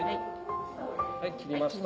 はい切りました